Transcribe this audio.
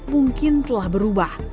mungkin telah berubah